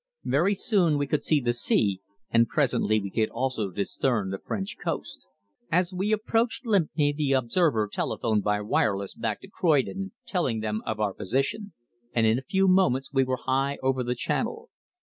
Very soon we could see the sea, and presently we could also discern the French coast. As we approached Lympne the observer telephoned by wireless back to Croydon telling them of our position, and in a few moments we were high over the Channel.